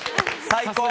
最高！